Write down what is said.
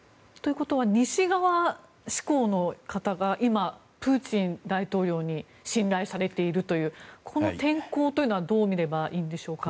西側志向の人がプーチン大統領に信頼されているというこの転向はどう見ればいいんでしょうか。